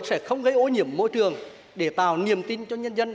sẽ không gây ô nhiễm môi trường để tạo niềm tin cho nhân dân